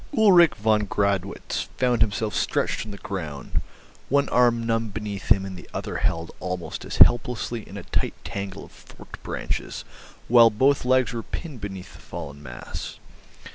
Ulrich von Gradwitz found himself stretched on the ground, one arm numb beneath him and the other held almost as helplessly in a tight tangle of forked branches, while both legs were pinned beneath the fallen mass.